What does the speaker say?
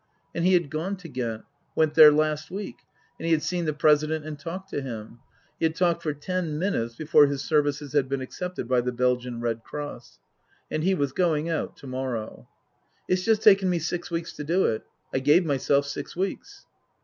And he had gone to Ghent went there last week and he had seen the President and talked to him. He had talked for ten minutes before his services had been accepted by the Belgian Red Cross. And he was going out to morrow. " It's just taken me six weeks to do it. I gave myself six weeks."